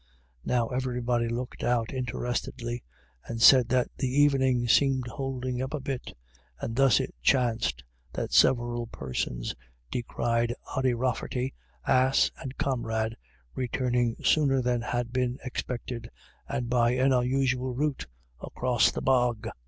Now everybody looked out interestedly, and said that the evening seemed holding up a bit; and thus it chanced that several persons descried Ody Rafferty, ass, and comrade, returning sooner than had been expected, and by an unusual route, across the bog.